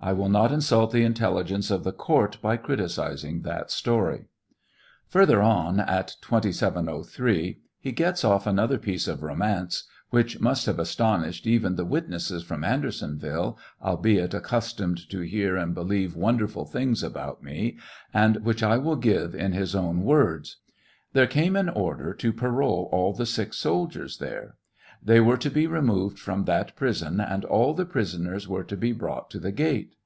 I will not insult the intelligence of the court by criticising that story. Further on, at 2703, he gets off another piece of romance, which must have astonished even the witnesses from Andersonville, albeit accustomed to hear and believe wonderful things about me, and which I will give in his own words : There came an order to parole all the sick soldiers there. They were to be removed from that prison, and all the prisoners were to be brought to the gate.